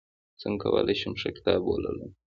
څنګه کولی شم ښه کتاب ولولم